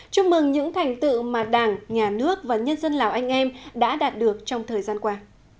chúc mừng những thành tựu mà đảng nhà nước và nhân dân lào anh em đã đạt được trong thời gian qua